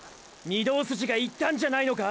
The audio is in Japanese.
御堂筋が言ったんじゃないのか？